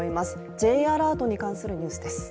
Ｊアラートに関するニュースです。